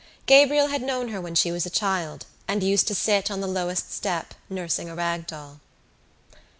Gabriel had known her when she was a child and used to sit on the lowest step nursing a rag doll.